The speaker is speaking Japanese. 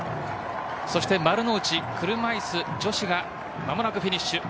丸の内、車いす女子が間もなくフィニッシュです。